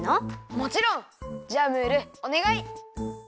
もちろん！じゃあムールおねがい！